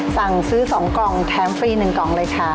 สั่งซื้อ๒กล่องแถมฟรี๑กล่องเลยค่ะ